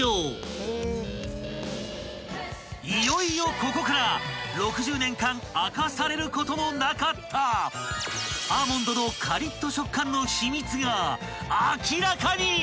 ［いよいよここから６０年間明かされることのなかったアーモンドのカリッと］